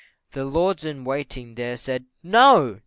The lords in waiting there, said "No!"